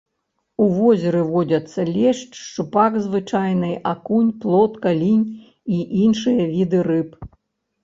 У возеры водзяцца лешч, шчупак звычайны, акунь, плотка, лінь і іншыя віды рыб.